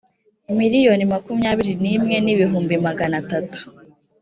miliyoni makumyabiri n imwe n ibihumbi magana atatu